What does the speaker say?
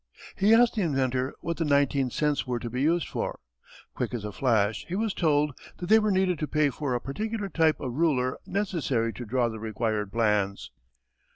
He asked the inventor what the nineteen cents were to be used for. Quick as a flash he was told that they were needed to pay for a particular type of ruler necessary to draw the required plans.